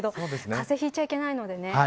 風邪ひいちゃいけないのでね。